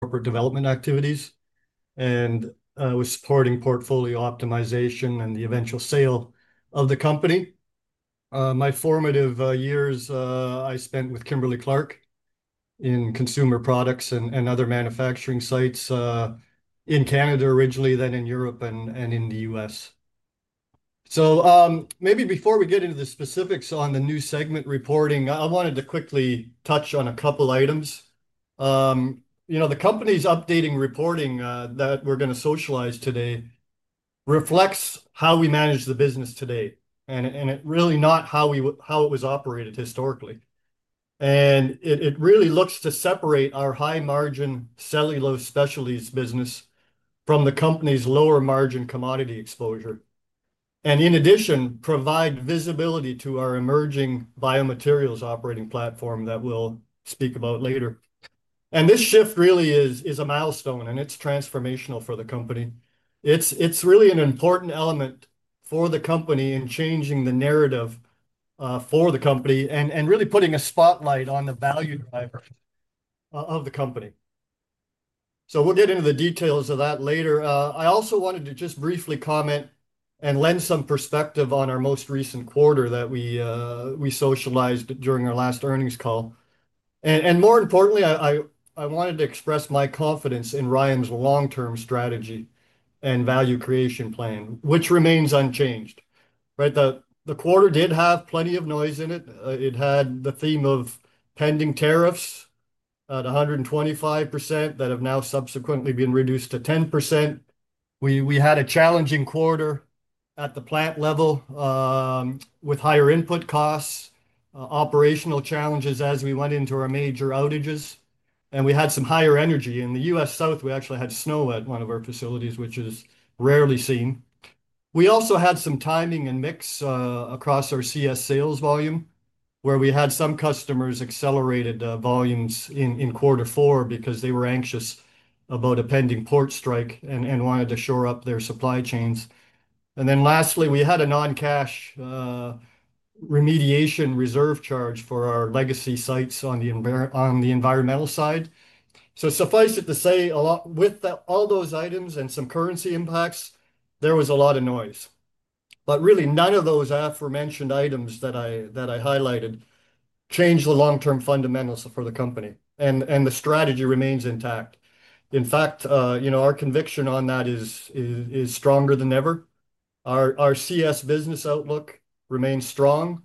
Corporate development activities and was supporting portfolio optimization and the eventual sale of the company. My formative years I spent with Kimberly-Clark in consumer products and other manufacturing sites in Canada originally, then in Europe and in the U.S. Maybe before we get into the specifics on the new segment reporting, I wanted to quickly touch on a couple of items. The company's updating reporting that we're going to socialize today reflects how we manage the business today, and it really not how it was operated historically. It really looks to separate our high-margin cellulose specialties business from the company's lower-margin commodity exposure. In addition, provide visibility to our emerging biomaterials operating platform that we'll speak about later. This shift really is a milestone, and it's transformational for the company. It's really an important element for the company in changing the narrative for the company and really putting a spotlight on the value drivers of the company. We will get into the details of that later. I also wanted to just briefly comment and lend some perspective on our most recent quarter that we socialized during our last earnings call. More importantly, I wanted to express my confidence in Rayonier Advanced Materials' long-term strategy and value creation plan, which remains unchanged. The quarter did have plenty of noise in it. It had the theme of pending tariffs at 125% that have now subsequently been reduced to 10%. We had a challenging quarter at the plant level with higher input costs, operational challenges as we went into our major outages. We had some higher energy. In the U.S. South, we actually had snow at one of our facilities, which is rarely seen. We also had some timing and mix across our CS sales volume, where we had some customers accelerated volumes in quarter four because they were anxious about a pending port strike and wanted to shore up their supply chains. Lastly, we had a non-cash remediation reserve charge for our legacy sites on the environmental side. Suffice it to say, with all those items and some currency impacts, there was a lot of noise. Really, none of those aforementioned items that I highlighted changed the long-term fundamentals for the company. The strategy remains intact. In fact, our conviction on that is stronger than ever. Our CS business outlook remains strong.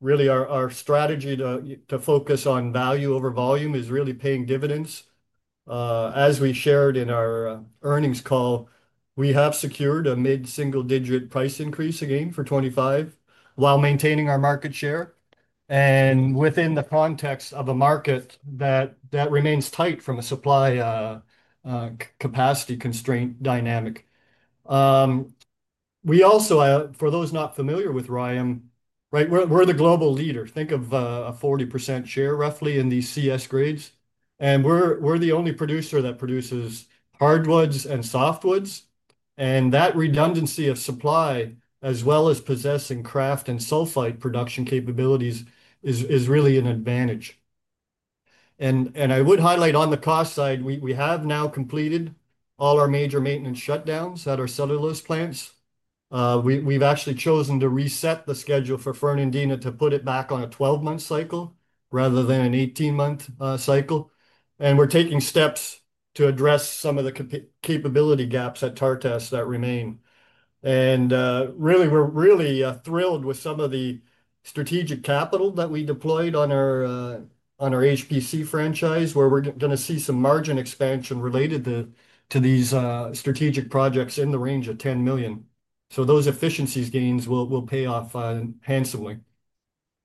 Really, our strategy to focus on value over volume is really paying dividends. As we shared in our earnings call, we have secured a mid-single-digit price increase again for 2025 while maintaining our market share and within the context of a market that remains tight from a supply capacity constraint dynamic. We also, for those not familiar with Rayonier Advanced Materials, we're the global leader. Think of a 40% share roughly in these CS grades. We're the only producer that produces hardwoods and softwoods. That redundancy of supply, as well as possessing kraft and sulfite production capabilities, is really an advantage. I would highlight on the cost side, we have now completed all our major maintenance shutdowns at our cellulose plants. We've actually chosen to reset the schedule for Fernandina to put it back on a 12-month cycle rather than an 18-month cycle. We're taking steps to address some of the capability gaps at Tartess that remain. We are really thrilled with some of the strategic capital that we deployed on our HPC franchise, where we are going to see some margin expansion related to these strategic projects in the range of $10 million. Those efficiency gains will pay off handsomely.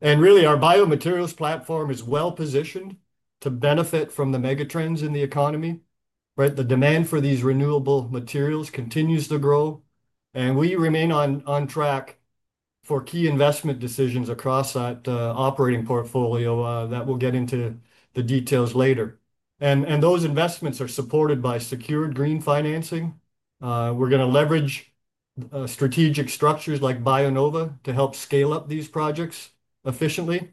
Our biomaterials platform is well positioned to benefit from the mega trends in the economy. The demand for these renewable materials continues to grow. We remain on track for key investment decisions across that operating portfolio that we will get into the details later. Those investments are supported by secured green financing. We are going to leverage strategic structures like Bionova to help scale up these projects efficiently.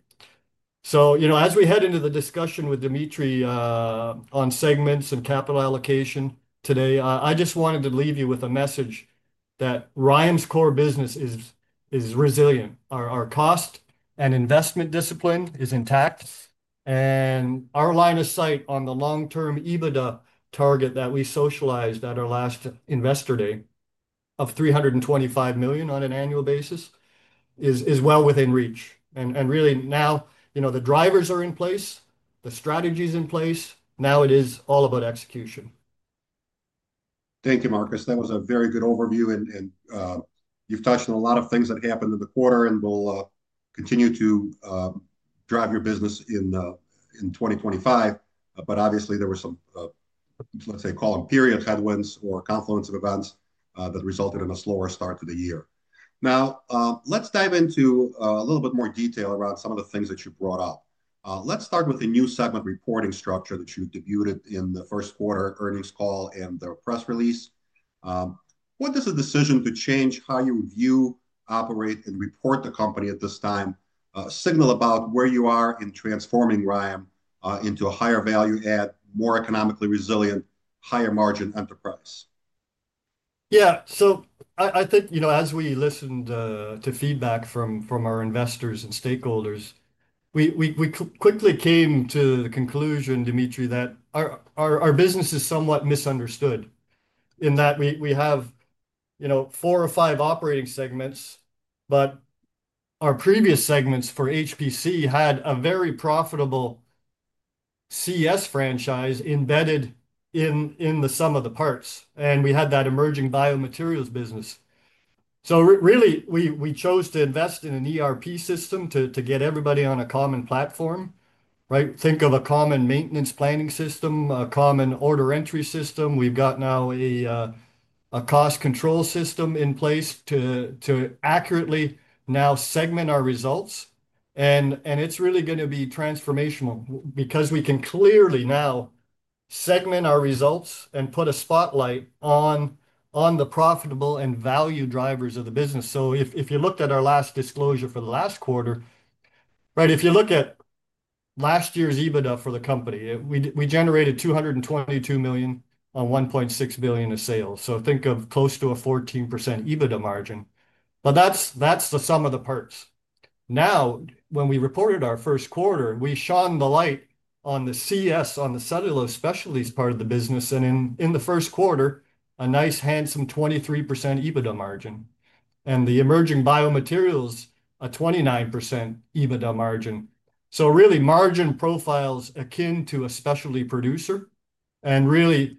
As we head into the discussion with Dmitry on segments and capital allocation today, I just wanted to leave you with a message that Rayonier Advanced Materials' core business is resilient. Our cost and investment discipline is intact. Our line of sight on the long-term EBITDA target that we socialized at our last investor day of $325 million on an annual basis is well within reach. Really, now the drivers are in place, the strategy is in place. Now it is all about execution. Thank you, Marcus. That was a very good overview. You have touched on a lot of things that happened in the quarter and will continue to drive your business in 2025. Obviously, there were some, let's say, call them period headwinds or confluence of events that resulted in a slower start to the year. Now, let's dive into a little bit more detail around some of the things that you brought up. Let's start with the new segment reporting structure that you debuted in the first quarter earnings call and the press release. What does a decision to change how you view, operate, and report the company at this time signal about where you are in transforming Rayonier Advanced Materials into a higher value add, more economically resilient, higher margin enterprise? Yeah. So I think as we listened to feedback from our investors and stakeholders, we quickly came to the conclusion, Dmitry, that our business is somewhat misunderstood in that we have four or five operating segments, but our previous segments for HPC had a very profitable CS franchise embedded in the sum of the parts. And we had that emerging biomaterials business. So really, we chose to invest in an ERP system to get everybody on a common platform. Think of a common maintenance planning system, a common order entry system. We've got now a cost control system in place to accurately now segment our results. And it's really going to be transformational because we can clearly now segment our results and put a spotlight on the profitable and value drivers of the business. If you looked at our last disclosure for the last quarter, if you look at last year's EBITDA for the company, we generated $222 million on $1.6 billion of sales. Think of close to a 14% EBITDA margin. That is the sum of the parts. Now, when we reported our first quarter, we shone the light on the CS, on the cellulose specialties part of the business. In the first quarter, a nice handsome 23% EBITDA margin. The emerging biomaterials, a 29% EBITDA margin. Really, margin profiles akin to a specialty producer and really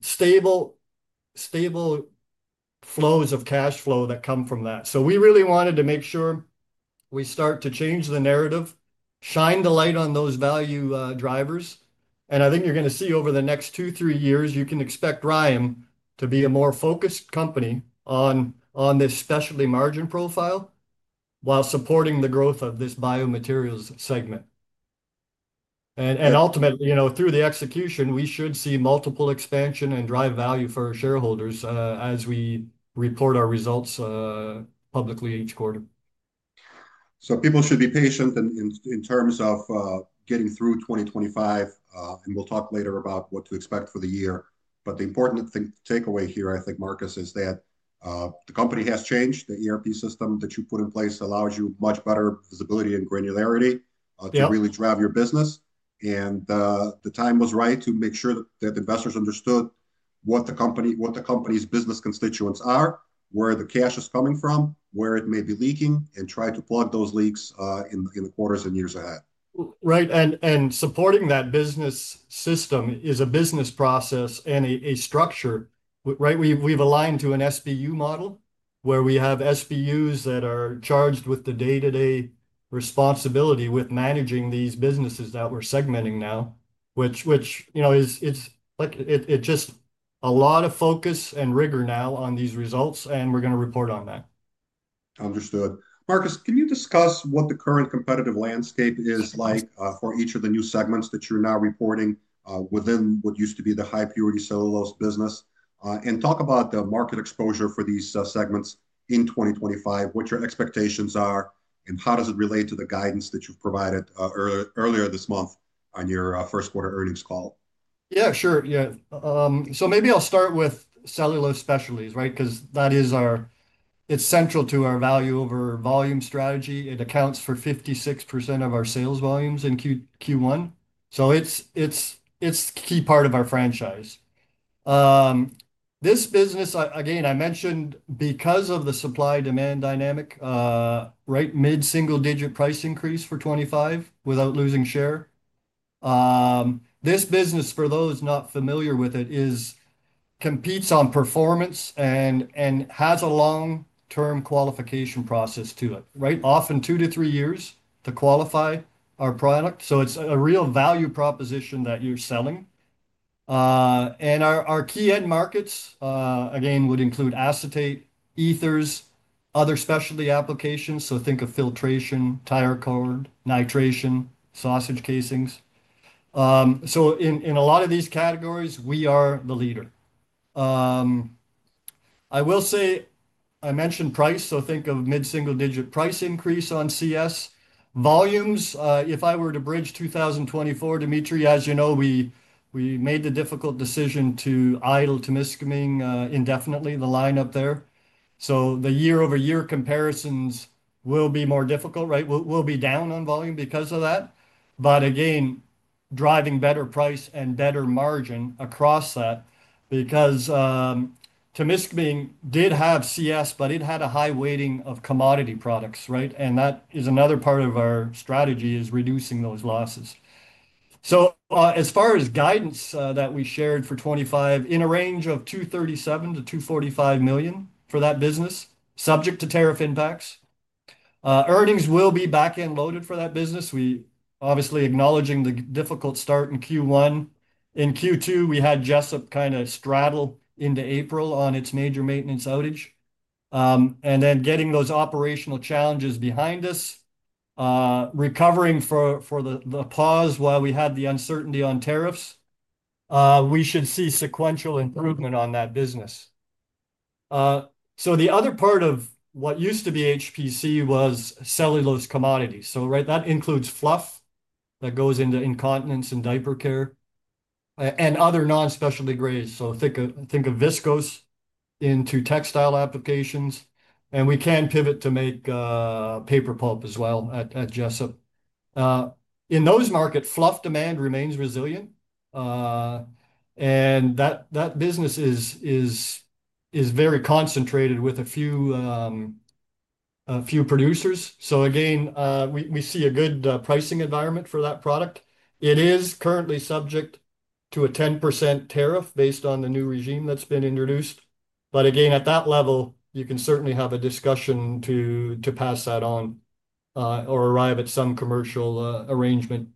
stable flows of cash flow that come from that. We really wanted to make sure we start to change the narrative, shine the light on those value drivers. I think you're going to see over the next two, three years, you can expect Rayonier to be a more focused company on this specialty margin profile while supporting the growth of this biomaterials segment. Ultimately, through the execution, we should see multiple expansion and drive value for our shareholders as we report our results publicly each quarter. People should be patient in terms of getting through 2025. We will talk later about what to expect for the year. The important takeaway here, I think, Marcus, is that the company has changed. The ERP system that you put in place allows you much better visibility and granularity to really drive your business. The time was right to make sure that investors understood what the company's business constituents are, where the cash is coming from, where it may be leaking, and try to plug those leaks in the quarters and years ahead. Right. Supporting that business system is a business process and a structure. We have aligned to an SBU model where we have SBUs that are charged with the day-to-day responsibility with managing these businesses that we are segmenting now, which, it is just a lot of focus and rigor now on these results, and we are going to report on that. Understood. Marcus, can you discuss what the current competitive landscape is like for each of the new segments that you're now reporting within what used to be the high-purity cellulose business? And talk about the market exposure for these segments in 2025, what your expectations are, and how does it relate to the guidance that you've provided earlier this month on your first quarter earnings call? Yeah, sure. Yeah. Maybe I'll start with cellulose specialties, right? Because that is our, it's central to our value over volume strategy. It accounts for 56% of our sales volumes in Q1. It's a key part of our franchise. This business, again, I mentioned because of the supply-demand dynamic, right, mid-single-digit price increase for 2025 without losing share. This business, for those not familiar with it, competes on performance and has a long-term qualification process to it, right? Often two to three years to qualify our product. It's a real value proposition that you're selling. Our key end markets, again, would include acetate, ethers, other specialty applications. Think of filtration, tire cord, nitration, sausage casings. In a lot of these categories, we are the leader. I will say I mentioned price. Think of mid-single-digit price increase on CS. Volumes, if I were to bridge 2024, Dmitry, as you know, we made the difficult decision to idle Temiskaming indefinitely, the lineup there. The year-over-year comparisons will be more difficult, right? We'll be down on volume because of that. Again, driving better price and better margin across that because Temiskaming did have CS, but it had a high weighting of commodity products, right? That is another part of our strategy, reducing those losses. As far as guidance that we shared for 2025, in a range of $237 million-$245 million for that business, subject to tariff impacts. Earnings will be back-end loaded for that business. We obviously acknowledging the difficult start in Q1. In Q2, we had Jesup kind of straddle into April on its major maintenance outage. Getting those operational challenges behind us, recovering for the pause while we had the uncertainty on tariffs, we should see sequential improvement on that business. The other part of what used to be HPC was cellulose commodities. That includes fluff that goes into incontinence and diaper care and other non-specialty grades. Think of viscose into textile applications. We can pivot to make paper pulp as well at Jesup. In those markets, fluff demand remains resilient. That business is very concentrated with a few producers. We see a good pricing environment for that product. It is currently subject to a 10% tariff based on the new regime that has been introduced. At that level, you can certainly have a discussion to pass that on or arrive at some commercial arrangement.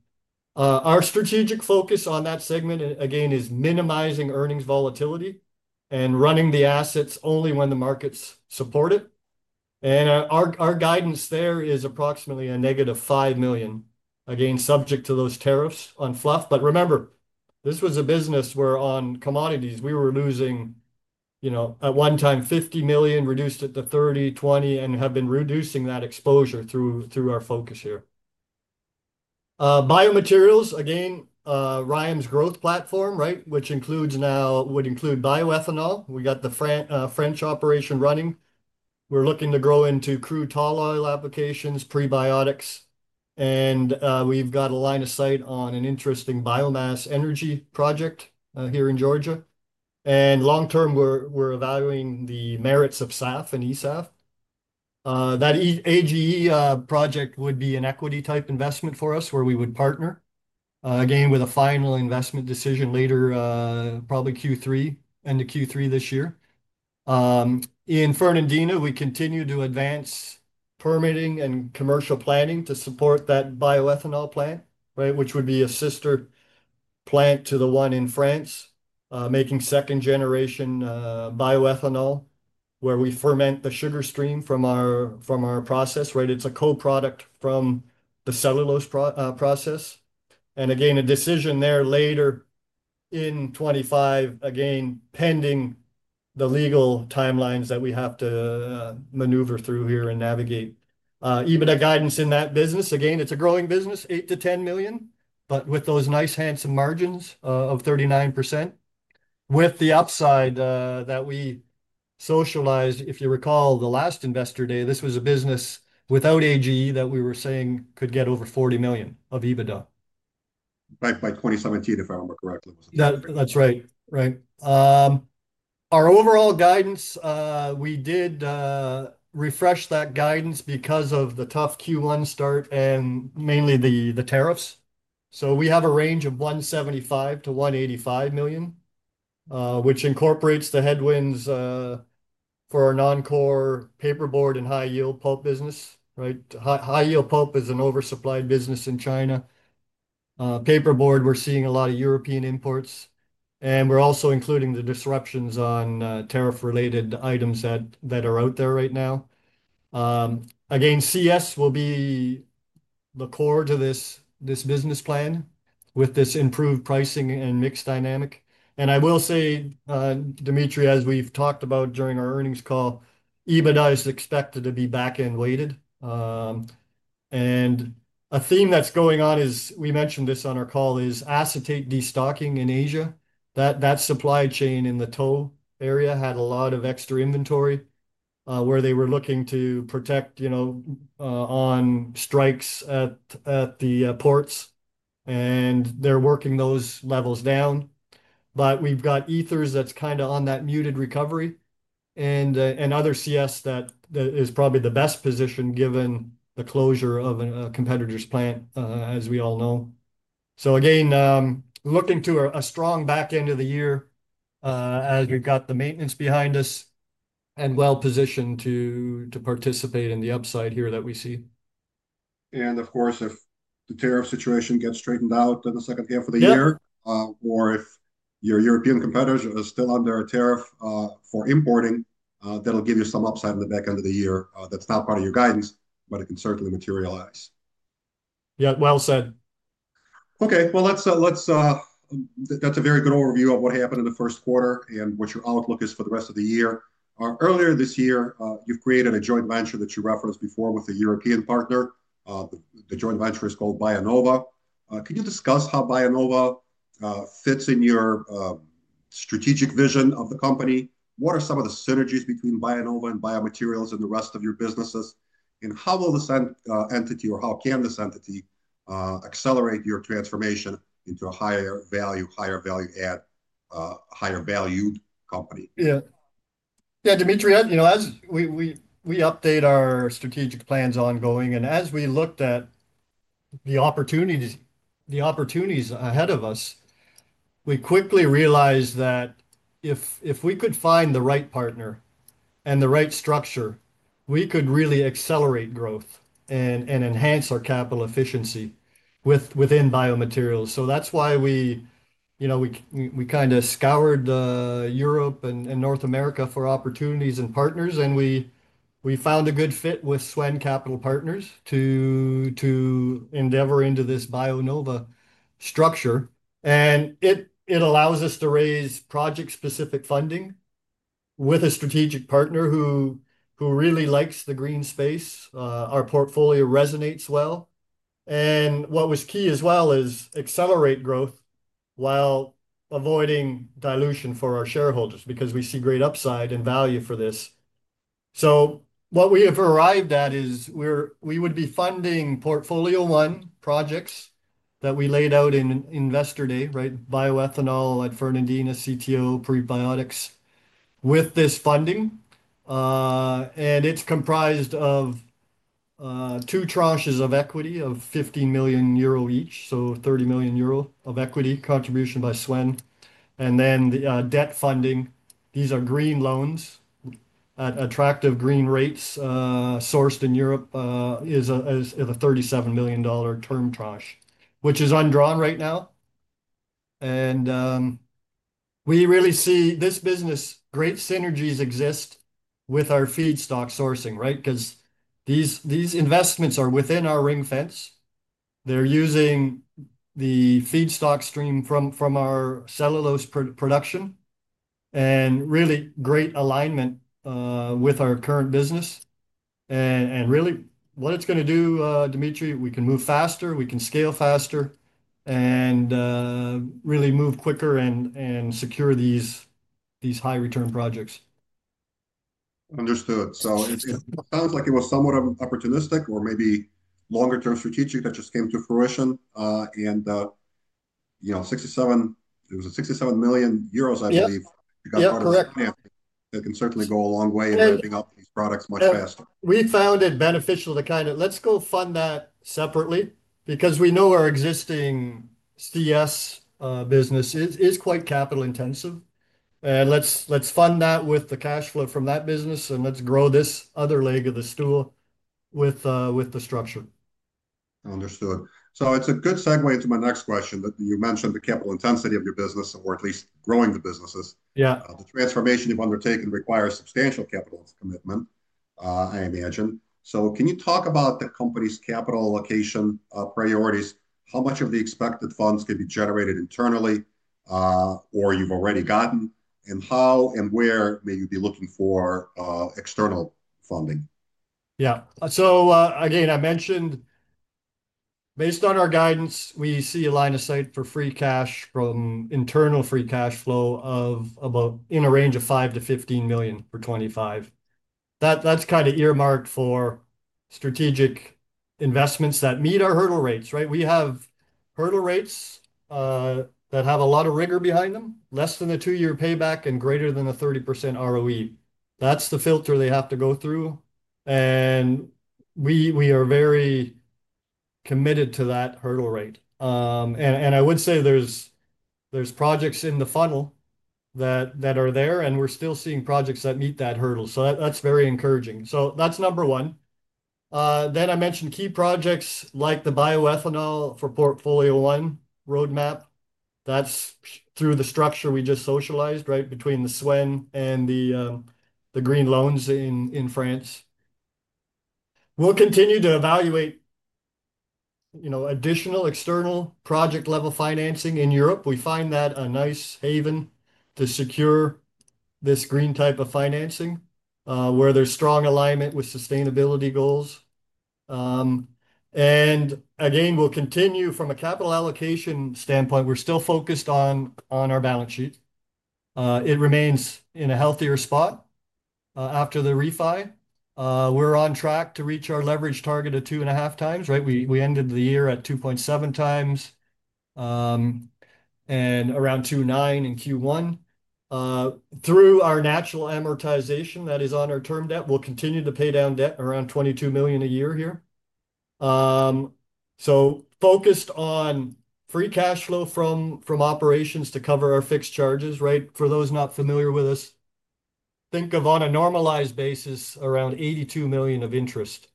Our strategic focus on that segment, again, is minimizing earnings volatility and running the assets only when the markets support it. Our guidance there is approximately a negative $5 million, again, subject to those tariffs on fluff. Remember, this was a business where on commodities, we were losing at one time $50 million, reduced it to $30 million, $20 million, and have been reducing that exposure through our focus here. Biomaterials, again, Rayonier's growth platform, right, which includes now would include bioethanol. We got the French operation running. We are looking to grow into crude tall oil applications, prebiotics. We have got a line of sight on an interesting biomass energy project here in Georgia. Long term, we are evaluating the merits of SAF and ESAF. That AGE project would be an equity-type investment for us where we would partner, again, with a final investment decision later, probably Q3 and the Q3 this year. In Fernandina, we continue to advance permitting and commercial planning to support that bioethanol plant, which would be a sister plant to the one in France, making second-generation bioethanol where we ferment the sugar stream from our process. It is a co-product from the cellulose process. Again, a decision there later in 2025, again, pending the legal timelines that we have to maneuver through here and navigate. Even a guidance in that business. Again, it is a growing business, $8 million-$10 million, but with those nice handsome margins of 39%. With the upside that we socialized, if you recall the last investor day, this was a business without AGE that we were saying could get over $40 million of EBITDA. Back by 2017, if I remember correctly. That's right. Right. Our overall guidance, we did refresh that guidance because of the tough Q1 start and mainly the tariffs. We have a range of $175 million-$185 million, which incorporates the headwinds for our non-core paperboard and high-yield pulp business. High-yield pulp is an oversupplied business in China. Paperboard, we're seeing a lot of European imports. We're also including the disruptions on tariff-related items that are out there right now. Again, CS will be the core to this business plan with this improved pricing and mix dynamic. I will say, Dmitry, as we've talked about during our earnings call, EBITDA is expected to be back-end weighted. A theme that's going on is, we mentioned this on our call, is acetate destocking in Asia. That supply chain in the CTO area had a lot of extra inventory where they were looking to protect on strikes at the ports. They are working those levels down. We have ethers that is kind of on that muted recovery and other CS that is probably the best position given the closure of a competitor's plant, as we all know. Again, looking to a strong back end of the year as we have the maintenance behind us and well-positioned to participate in the upside here that we see. If the tariff situation gets straightened out in the second half of the year, or if your European competitors are still under a tariff for importing, that'll give you some upside in the back end of the year. That's not part of your guidance, but it can certainly materialize. Yeah, well said. Okay. That's a very good overview of what happened in the first quarter and what your outlook is for the rest of the year. Earlier this year, you've created a joint venture that you referenced before with a European partner. The joint venture is called Bionova. Can you discuss how Bionova fits in your strategic vision of the company? What are some of the synergies between Bionova and biomaterials and the rest of your businesses? How will this entity or how can this entity accelerate your transformation into a higher value, higher value add, higher valued company? Yeah. Yeah, Dmitry, as we update our strategic plans ongoing, and as we looked at the opportunities ahead of us, we quickly realized that if we could find the right partner and the right structure, we could really accelerate growth and enhance our capital efficiency within biomaterials. That is why we kind of scoured Europe and North America for opportunities and partners. We found a good fit with Swen Capital Partners to endeavor into this Bionova structure. It allows us to raise project-specific funding with a strategic partner who really likes the green space. Our portfolio resonates well. What was key as well is accelerate growth while avoiding dilution for our shareholders because we see great upside and value for this. What we have arrived at is we would be funding portfolio one projects that we laid out in investor day, right? Bioethanol at Fernandina, CTO, prebiotics with this funding. It is comprised of two tranches of equity of 15 million euro each, so 30 million euro of equity contribution by Swen. Then debt funding. These are green loans at attractive green rates sourced in Europe. It is a $37 million term tranche, which is undrawn right now. We really see this business, great synergies exist with our feedstock sourcing, right? Because these investments are within our ring fence. They are using the feedstock stream from our cellulose production and really great alignment with our current business. What it is going to do, Dmitry, we can move faster, we can scale faster, and really move quicker and secure these high-return projects. Understood. It sounds like it was somewhat opportunistic or maybe longer-term strategic that just came to fruition. It was 67 million euros, I believe. Yeah, correct. That can certainly go a long way in ramping up these products much faster. We found it beneficial to kind of let's go fund that separately because we know our existing CS business is quite capital-intensive. Let's fund that with the cash flow from that business and let's grow this other leg of the stool with the structure. Understood. So it's a good segue into my next question that you mentioned the capital intensity of your business or at least growing the businesses. The transformation you've undertaken requires substantial capital commitment, I imagine. So can you talk about the company's capital allocation priorities? How much of the expected funds can be generated internally or you've already gotten? And how and where may you be looking for external funding? Yeah. So again, I mentioned based on our guidance, we see a line of sight for free cash from internal free cash flow of about in a range of $5 million-$15 million for 2025. That's kind of earmarked for strategic investments that meet our hurdle rates, right? We have hurdle rates that have a lot of rigor behind them, less than a two-year payback and greater than a 30% ROE. That's the filter they have to go through. We are very committed to that hurdle rate. I would say there's projects in the funnel that are there, and we're still seeing projects that meet that hurdle. That's very encouraging. That's number one. I mentioned key projects like the bioethanol for portfolio one roadmap. That's through the structure we just socialized, right, between the Swen and the green loans in France. We'll continue to evaluate additional external project-level financing in Europe. We find that a nice haven to secure this green type of financing where there's strong alignment with sustainability goals. Again, we'll continue from a capital allocation standpoint. We're still focused on our balance sheet. It remains in a healthier spot after the refi. We're on track to reach our leverage target of 2.5 times, right? We ended the year at 2.7 times and around 2.9 in Q1. Through our natural amortization that is on our term debt, we'll continue to pay down debt around $22 million a year here. Focused on free cash flow from operations to cover our fixed charges, right? For those not familiar with us, think of on a normalized basis around $82 million of interest.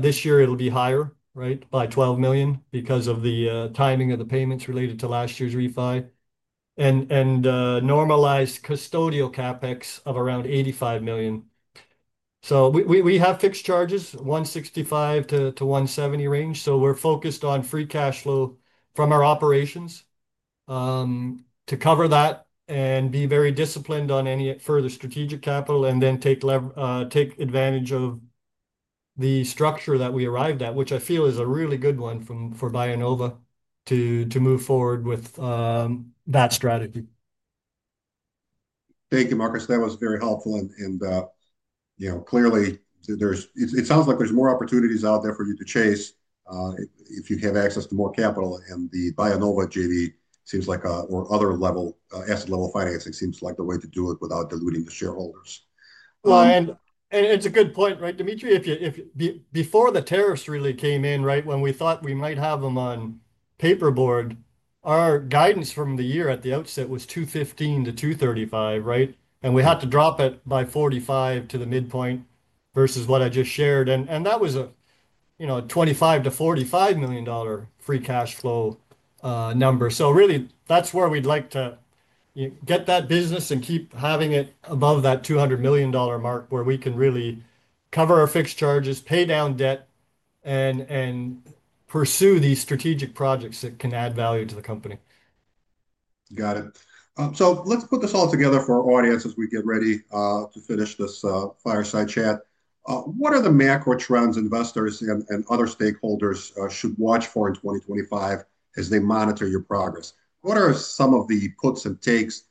This year, it'll be higher, right, by $12 million because of the timing of the payments related to last year's refi. And normalized custodial CapEx of around $85 million. So we have fixed charges, $165 million-$170 million range. So we're focused on free cash flow from our operations to cover that and be very disciplined on any further strategic capital and then take advantage of the structure that we arrived at, which I feel is a really good one for Bionova to move forward with that strategy. Thank you, Marcus. That was very helpful. Clearly, it sounds like there are more opportunities out there for you to chase if you have access to more capital. The Bionova JV seems like or other asset-level financing seems like the way to do it without diluting the shareholders. It is a good point, right, Dmitry? Before the tariffs really came in, right, when we thought we might have them on paperboard, our guidance for the year at the outset was $215 million-$235 million, right? We had to drop it by $45 million to the midpoint versus what I just shared. That was a $25 million-$45 million free cash flow number. That is where we would like to get that business and keep having it above that $200 million mark where we can really cover our fixed charges, pay down debt, and pursue these strategic projects that can add value to the company. Got it. So let's put this all together for our audience as we get ready to finish this fireside chat. What are the macro trends investors and other stakeholders should watch for in 2025 as they monitor your progress? What are some of the puts and takes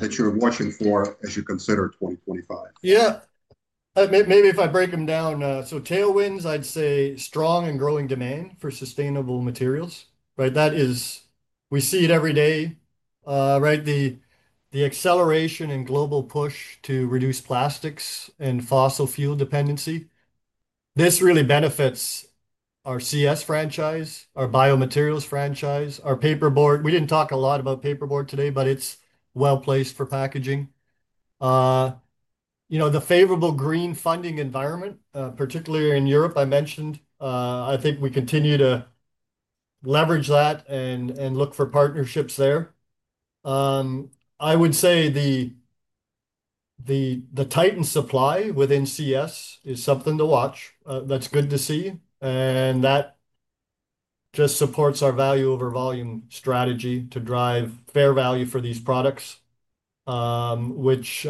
that you're watching for as you consider 2025? Yeah. Maybe if I break them down. Tailwinds, I'd say strong and growing demand for sustainable materials, right? We see it every day, right? The acceleration and global push to reduce plastics and fossil fuel dependency. This really benefits our CS franchise, our biomaterials franchise, our paperboard. We did not talk a lot about paperboard today, but it is well placed for packaging. The favorable green funding environment, particularly in Europe, I mentioned. I think we continue to leverage that and look for partnerships there. I would say the tightened supply within CS is something to watch. That is good to see. That just supports our value over volume strategy to drive fair value for these products, which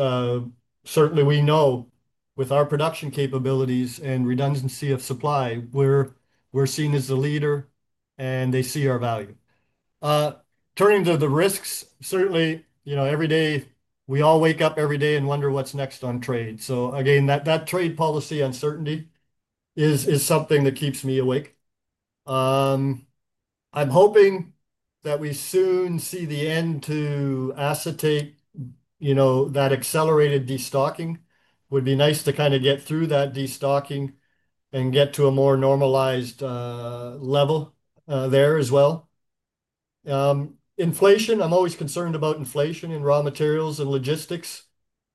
certainly we know with our production capabilities and redundancy of supply, we are seen as the leader and they see our value. Turning to the risks, certainly every day we all wake up every day and wonder what's next on trade. Again, that trade policy uncertainty is something that keeps me awake. I'm hoping that we soon see the end to acetate, that accelerated destocking would be nice to kind of get through that destocking and get to a more normalized level there as well. Inflation, I'm always concerned about inflation in raw materials and logistics,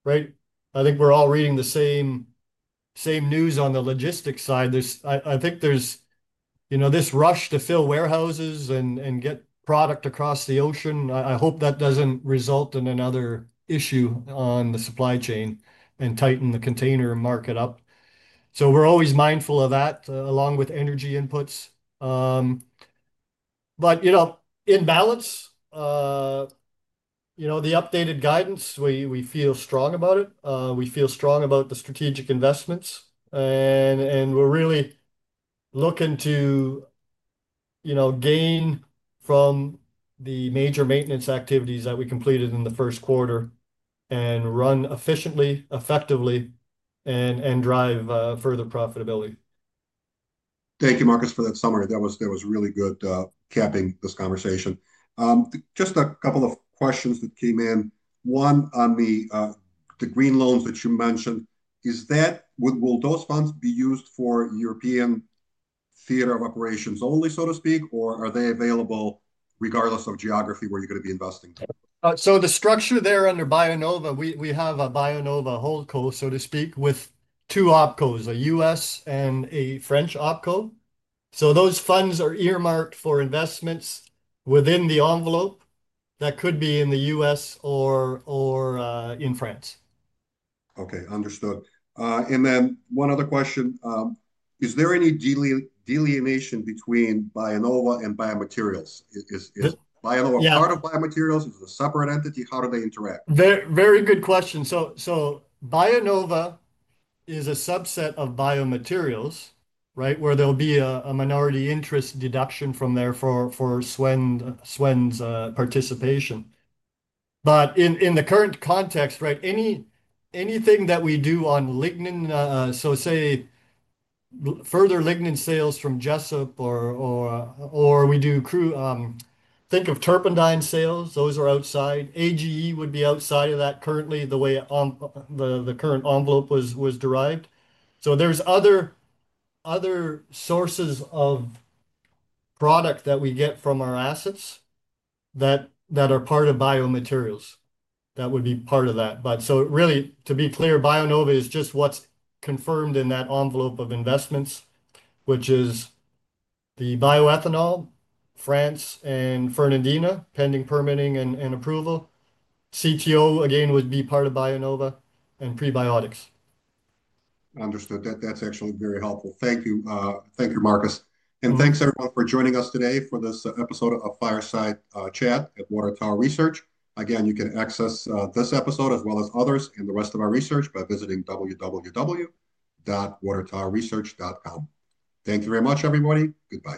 right? I think we're all reading the same news on the logistics side. I think there's this rush to fill warehouses and get product across the ocean. I hope that doesn't result in another issue on the supply chain and tighten the container market up. We're always mindful of that along with energy inputs. In balance, the updated guidance, we feel strong about it. We feel strong about the strategic investments. We are really looking to gain from the major maintenance activities that we completed in the first quarter and run efficiently, effectively, and drive further profitability. Thank you, Marcus, for that summary. That was really good capping this conversation. Just a couple of questions that came in. One on the green loans that you mentioned, will those funds be used for European theater of operations only, so to speak, or are they available regardless of geography where you're going to be investing? The structure there under Bionova, we have a Bionova holdco, so to speak, with two opcos, a U.S. and a French opco. Those funds are earmarked for investments within the envelope that could be in the U.S. or in France. Okay. Understood. One other question. Is there any delineation between Bionova and biomaterials? Is Bionova part of biomaterials? Is it a separate entity? How do they interact? Very good question. Bionova is a subset of biomaterials, right, where there will be a minority interest deduction from there for Swen's participation. In the current context, anything that we do on lignin, so say further lignin sales from Jesup or we do think of turpentine sales, those are outside. AGE would be outside of that currently the way the current envelope was derived. There are other sources of product that we get from our assets that are part of biomaterials that would be part of that. To be clear, Bionova is just what is confirmed in that envelope of investments, which is the bioethanol, France, and Fernandina, pending permitting and approval. CTO, again, would be part of Bionova and prebiotics. Understood. That's actually very helpful. Thank you. Thank you, Marcus. And thanks everyone for joining us today for this episode of Fireside Chat at Water Tower Research. Again, you can access this episode as well as others and the rest of our research by visiting www.watertowerresearch.com. Thank you very much, everybody. Goodbye.